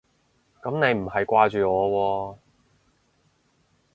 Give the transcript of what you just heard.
噉你唔係掛住我喎